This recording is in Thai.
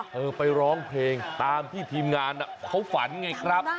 ไปร้องเพลงตามที่ทีมงานเขาฝันไงครับ